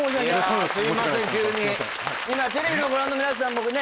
急に今テレビをご覧の皆さんもね